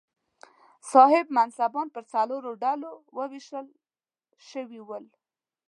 صاحب منصبان پر څلورو ډلو وېشل شوي ول.